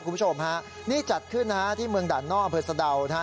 คุณผู้ชมฮะนี่จัดขึ้นนะฮะที่เมืองด่านนอกอำเภอสะดาวนะฮะ